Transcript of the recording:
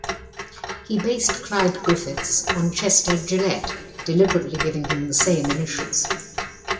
He based Clyde Griffiths on Chester Gillette, deliberately giving him the same initials.